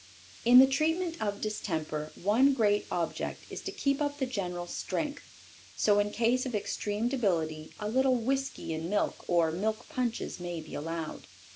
In the treatment of distemper, one great object is to keep up the general strength, so in case of extreme debility a little whisky in milk or milk punches may be allowed.